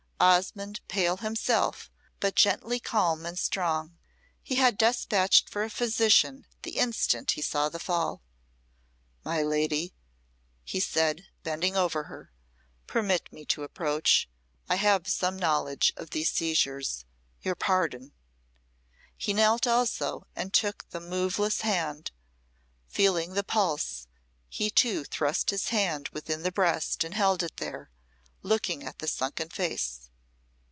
Osmonde pale himself, but gently calm and strong. He had despatched for a physician the instant he saw the fall. "My lady," he said, bending over her, "permit me to approach. I have some knowledge of these seizures. Your pardon!" He knelt also and took the moveless hand, feeling the pulse; he, too, thrust his hand within the breast and held it there, looking at the sunken face.